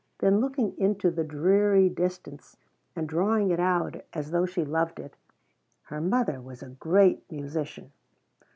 Then, looking into the dreamy distance and drawing it out as though she loved it: "Her mother was a great musician."